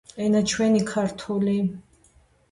ენა ჩვენი ქართული